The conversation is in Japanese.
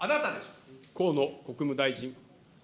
河野国務大臣。